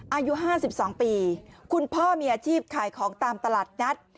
อายุ๕๒ปีคุณพ่อมีอาชีพขายของตามตลาดนัด